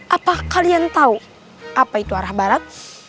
apa kalian tahu apa itu arah barat